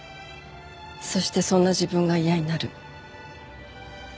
そしてそんな自分が嫌になる。